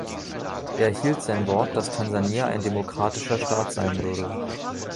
Er hielt sein Wort, dass Tansania ein demokratischer Staat sein würde.